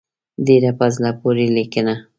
ډېره په زړه پورې لیکنه.